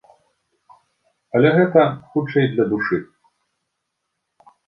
Але гэта, хутчэй, для душы.